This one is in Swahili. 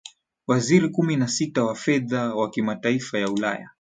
waziri kumi na sita wafedha wa mataifay ya ulaya